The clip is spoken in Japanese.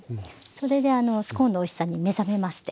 それでスコーンのおいしさに目覚めまして。